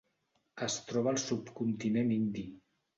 Es troba al subcontinent indi.